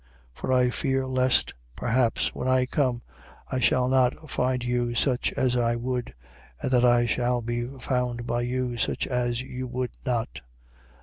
12:20. For I fear lest perhaps, when I come, I shall not find you such as I would, and that I shall be found by you such as you would not.